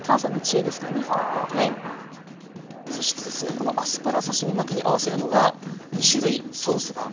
このアスパラ刺身巻きに合わせるのが２種類ソースがありますね。